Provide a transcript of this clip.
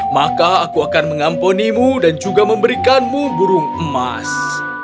maka aku akan mengampunimu dan juga memberikanmu burung emas